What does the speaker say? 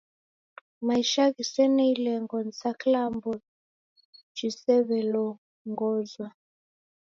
Maisha ghisene ilengo ni sa kilambo chisew'elongozwa.